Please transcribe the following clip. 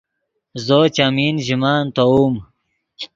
زو چیمین ژے مَنۡ تیووم